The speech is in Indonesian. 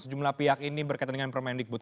sejumlah pihak ini berkaitan dengan permendikbud